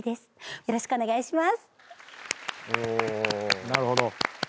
よろしくお願いします。